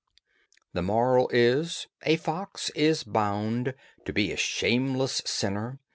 THE MORAL is: A fox is bound To be a shameless sinner.